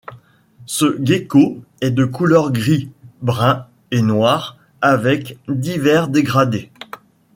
Ce gecko est de couleur gris, brun et noir, avec divers dégradés.